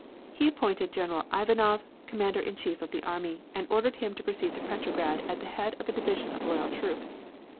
He appointed General Ivanov Commander in Chief of the army, and ordered him to proceed to Petrograd at the head of a division of loyal troops.